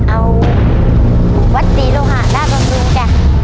เอาวัดศรีโลหะหน้าบำรุงจ้ะ